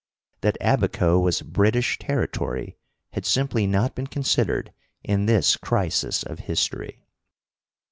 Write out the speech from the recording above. That Abaco was British territory had simply not been considered in this crisis of history.